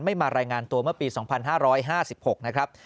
มารายงานตัวเมื่อปี๒๕๕๖นะครับ